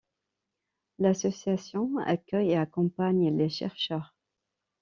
L’association accueille et accompagne les chercheurs.